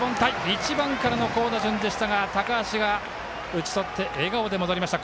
１番からの好打順でしたが高橋が打ち取って笑顔で戻りました。